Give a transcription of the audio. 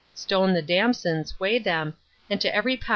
Stone the damsons, weigh them, and to every lb.